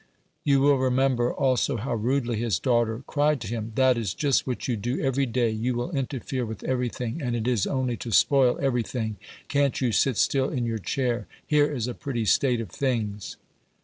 You will remember also how rudely his daughter cried to him :" That is just what you do every day ; you will interfere with everything, and it is only to spoil everything. Can't you sit still in your chair ? Here is a pretty state of things